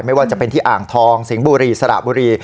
ไม่ว่าจะเป็นที่อ่างทองสิงห์บุรีสระบุรี